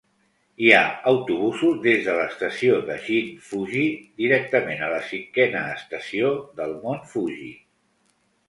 Hi ha autobusos des de l'estació de Shin-Fuji directament a la cinquena estació del Mont Fuji.